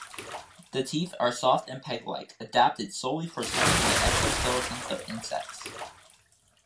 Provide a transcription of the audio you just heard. The teeth are soft and peg-like, adapted solely for smashing the exoskeletons of insects.